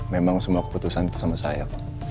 memang semua keputusan itu sama saya